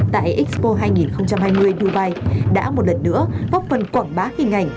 tại expo hai nghìn hai mươi dubai đã một lần nữa góp phần quảng bá hình ảnh